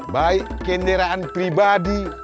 baik kenderaan pribadi